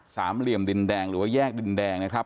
เหลี่ยมดินแดงหรือว่าแยกดินแดงนะครับ